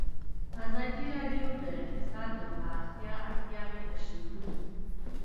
ازادي راډیو د اقتصاد د پراختیا اړتیاوې تشریح کړي.